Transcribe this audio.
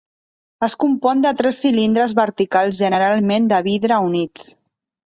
Es compon de tres cilindres verticals generalment de vidre units.